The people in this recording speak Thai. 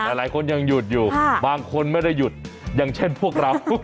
หลายคนยังหยุดอยู่บางคนไม่ได้หยุดอย่างเช่นพวกเรา